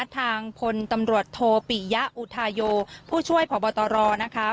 ทางพลตำรวจโทปิยะอุทาโยผู้ช่วยผอบตรนะคะ